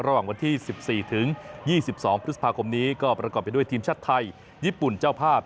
ระหว่างวันที่๑๔ถึง๒๒พฤษภาคมนี้ก็ประกอบไปด้วยทีมชาติไทยญี่ปุ่นเจ้าภาพ